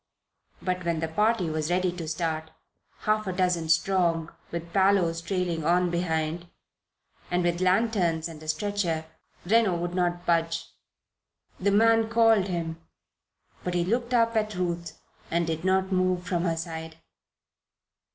But when the party was ready to start, half a dozen strong, with Parloe trailing on behind, and with lanterns and a stretcher, Reno would not budge. The man called him, but he looked up at Ruth and did not move from her side.